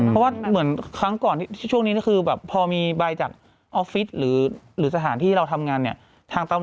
เพราะว่าเหมือนครั้งก่อนช่วงนี้คือแบบพอมีใบจากออฟฟิศหรือสถานที่เราทำงานเนี่ย